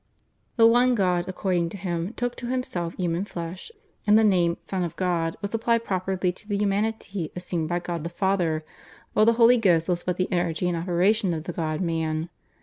The one God, according to him, took to Himself human flesh, and the name, Son of God, was applied properly to the humanity assumed by God the Father, while the Holy Ghost was but the energy and operation of the God Man.